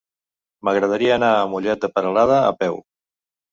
M'agradaria anar a Mollet de Peralada a peu.